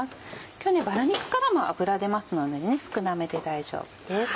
今日バラ肉からも脂出ますので少なめで大丈夫です。